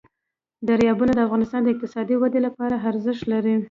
دریابونه د افغانستان د اقتصادي ودې لپاره ارزښت لري.